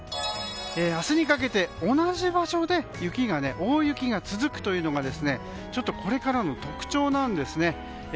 明日にかけて同じ場所で大雪が続くというのがこれからの特徴なんですね。